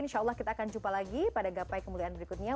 insya allah kita akan jumpa lagi pada gapai kemuliaan berikutnya